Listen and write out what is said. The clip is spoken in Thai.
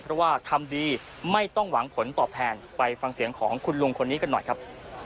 เพราะว่าทำดีไม่ต้องหวังผลตอบแทนไปฟังเสียงของคุณลุงคนนี้กันหน่อยครับ